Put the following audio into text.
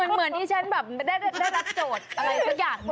เหมือนที่ฉันแบบได้รับโจทย์อะไรสักอย่างหนึ่ง